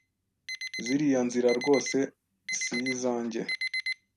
ziriya nzira rwose sizanjye